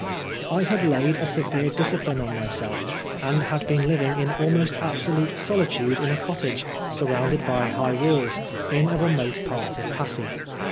I had laid a severe discipline on myself and had been living in almost absolute solitude in a cottage, sur rounded by high walls, in a remote part of Passy.